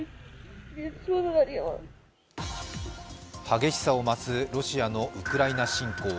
激しさを増すロシアのウクライナ侵攻。